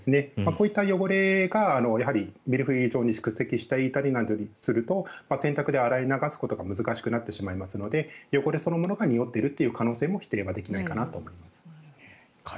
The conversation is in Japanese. こういった汚れがやはりミルフィーユ状に蓄積していたりすると洗濯で洗い流すことが難しくなってしまいますので汚れそのものがにおっている可能性も否定はできないと思います。